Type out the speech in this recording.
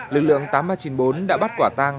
lực lượng tám nghìn ba trăm chín mươi bốn đã bắt quả tang